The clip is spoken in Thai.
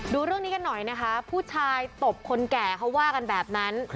ดูเรื่องนี้กันหน่อยนะคะผู้ชายตบคนแก่เขาว่ากันแบบนั้น